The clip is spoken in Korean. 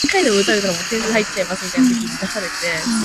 음성 문자 변환 기술은 음성 데이터를 문자로 변환합니다.